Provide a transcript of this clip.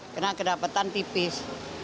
karena kedapatan tipis